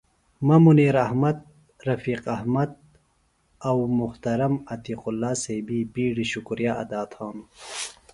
مہ منیراحمد ، رفیق احمد او محترم عتیق ﷲ صیبی بیڈیۡ شکریہ ادا تھانوࣿ ۔